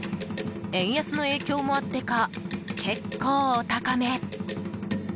円安の影響もあってか結構お高め。